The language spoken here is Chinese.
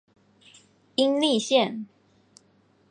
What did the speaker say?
殷栗线